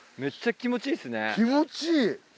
気持ちいい。